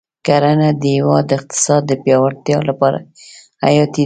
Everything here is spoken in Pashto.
کرنه د هېواد د اقتصاد د پیاوړتیا لپاره حیاتي ده.